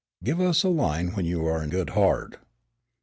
Give us a line when you are in good heart.